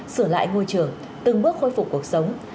sửa lại ngôi trường từng bước khôi phục cuộc sống